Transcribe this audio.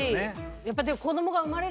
やっぱ。